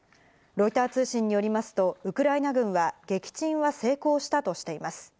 ロイター通信によりますと、ウクライナ軍は撃沈は成功したとしています。